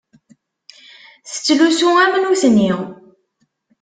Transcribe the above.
Tettlusu am nutni.